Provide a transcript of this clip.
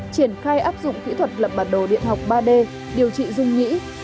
triển khai áp dụng kỹ thuật lập bản đồ điện học ba d điều trị dung nhĩ